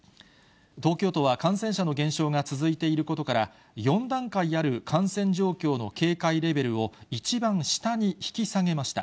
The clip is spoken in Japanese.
東京都は感染者の減少が続いていることから、４段階ある感染状況の警戒レベルを一番下に引き下げました。